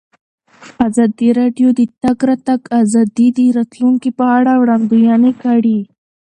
ازادي راډیو د د تګ راتګ ازادي د راتلونکې په اړه وړاندوینې کړې.